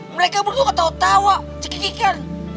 mereka berdua ketawa tawa cikinikan